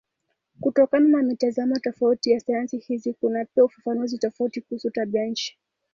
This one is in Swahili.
Kutokana na mitazamo tofauti ya sayansi hizi kuna pia ufafanuzi tofauti kuhusu tabianchi.